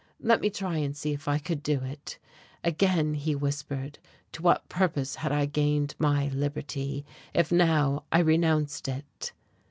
Let me try and see if I could do it! Again he whispered, to what purpose had I gained my liberty, if now I renounced it?